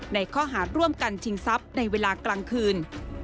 ในข้อหาร่วมกันชิงทรัพย์ในเวลากลางคืน